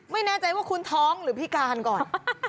ไม่แน่ใจว่าคุณท้องหรือพิการก่อน